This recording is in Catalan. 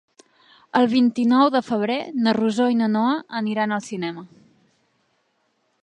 El vint-i-nou de febrer na Rosó i na Noa aniran al cinema.